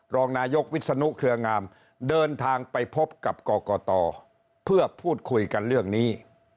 รองนายกวิศนุเครืองามเดินทางไปพบกับกรกตเพื่อพูดคุยกันเรื่องนี้